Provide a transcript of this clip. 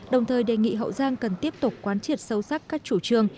đồng thời đề nghị hậu giang cần tiếp tục quán triệt sâu sắc các chủ trương